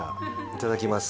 いただきます。